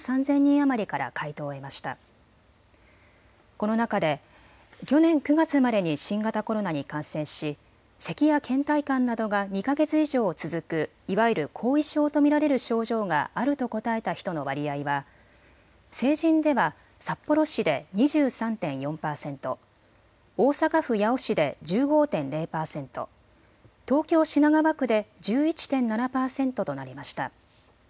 この中で去年９月までに新型コロナに感染し、せきやけん怠感などが２か月以上続くいわゆる後遺症と見られる症状があると答えた人の割合は成人では札幌市で２３．４％、大阪府八尾市で１５．０％、東京品川区で１１．７％となりました。